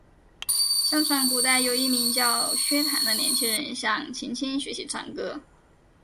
相传古代有一个名叫薛谭的年轻人向秦青学习唱歌。